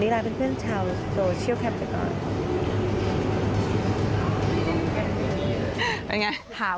นี่ล่ะเพื่อนชาวโซเชียลครับจากก่อน